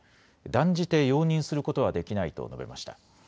断じて容認することはできないと述べました。